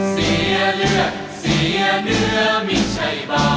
เสียเลือดเสียเนื้อไม่ใช่บ้า